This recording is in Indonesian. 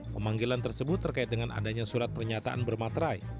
pemanggilan tersebut terkait dengan adanya surat pernyataan bermaterai